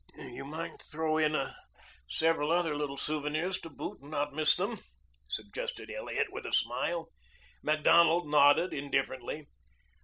"You might throw in several other little souvenirs to boot and not miss them," suggested Elliot with a smile. Macdonald nodded indifferently.